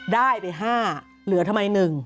ได้ไป๕เหลือทำไม๑